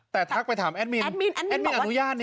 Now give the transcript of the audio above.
แต่ทักไปถามแอดมินแอดมินอนุญาตนะ